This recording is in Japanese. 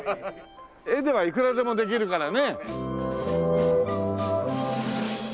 絵ではいくらでもできるからね。